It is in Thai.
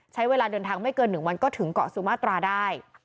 ใช้เวลาเดินทางไม่เกิน๑วันก็ถึงเกาะสุมาตราได้